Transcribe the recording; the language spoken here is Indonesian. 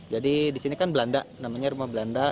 jadi di sini kan belanda namanya rumah belanda